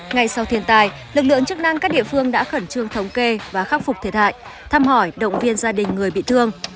ngay sau thiên tai lực lượng chức năng các địa phương đã khẩn trương thống kê và khắc phục thiệt hại thăm hỏi động viên gia đình người bị thương